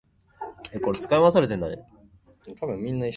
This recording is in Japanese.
金縁の裏には嘲るような笑いが見えた